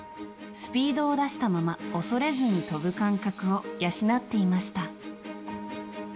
スピードを出したまま恐れずに跳ぶ感覚を養っていました。